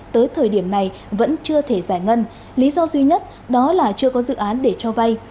tới thời điểm này vẫn chưa thể giải ngân lý do duy nhất đó là chưa có dự án để cho vay